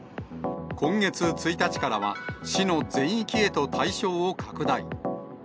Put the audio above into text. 今月１日からは、市の全域へと対象を拡大。